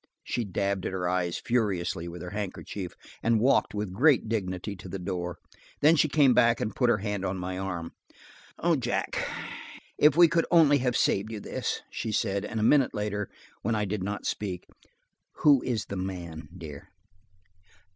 She dabbed at her eyes furiously with her handkerchief, and walked with great dignity to the door. Then she came back and put her hand on my arm. "Oh, Jack, if we could only have saved you this!" she said, and a minute later, when I did not speak: "Who is the man, dear?"